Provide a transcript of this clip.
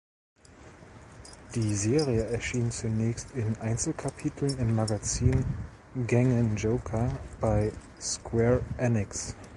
Die Serie erschien zunächst in Einzelkapiteln im Magazin "Gangan Joker" bei Square Enix.